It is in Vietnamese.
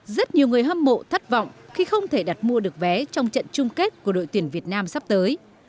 rất nhiều người hâm mộ thất vọng khi không thể đặt mua được vé trong trận chung kết của đội tuyển việt nam sắp tới